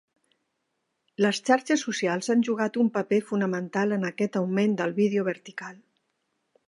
Les xarxes socials han jugat un paper fonamental en aquest augment del vídeo vertical.